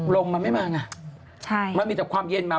ลมมันไม่มาไงมันมีแต่ความเย็นมา